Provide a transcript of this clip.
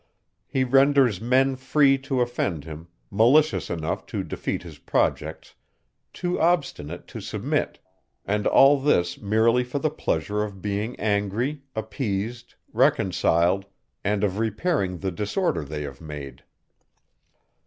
He renders men free to offend him, malicious enough to defeat his projects, too obstinate to submit; and all this merely for the pleasure of being angry, appeased, reconciled, and of repairing the disorder they have made.